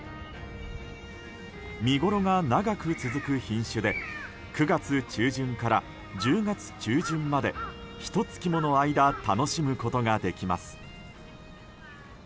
見ごろが長く続く品種で９月中旬から１０月中旬までひと月もの間楽しむことができます。